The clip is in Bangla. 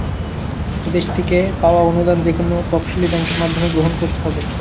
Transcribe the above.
বিদেশ থেকে পাওয়া অনুদান যেকোনো তফশিলি ব্যাংকের মাধ্যমে গ্রহণ করতে হবে।